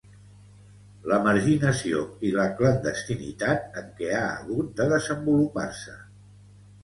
La marginació i la clandestinitat en què ha hagut de desenvolupar-se.